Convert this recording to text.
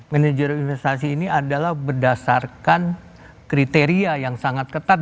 manajer investasi ini adalah berdasarkan kriteria yang sangat ketat